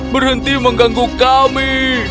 berhenti mengganggu kami